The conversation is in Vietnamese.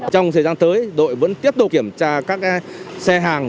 trong thời gian tới đội vẫn tiếp tục kiểm tra các xe hàng